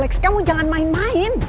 next kamu jangan main main